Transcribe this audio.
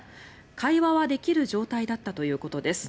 会話はできる状態だったということです。